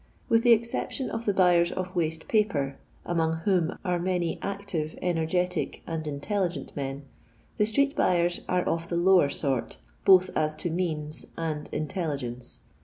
With the exception of the buyers of waste paper, among whom are many active, energetic, and intdligent men, the street buyers are of the lower sort, iMth as to means and intelligence.